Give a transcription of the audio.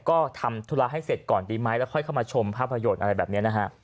ก็ทำธุระให้เสร็จก่อนดีไหมแล้วค่อยเข้ามาชมภาพยนตร์อะไรแบบนี้นะฮะ